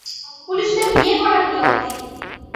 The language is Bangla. পুলিশদের বিয়ে করার নিয়ম নেই।